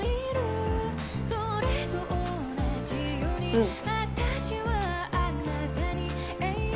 うん。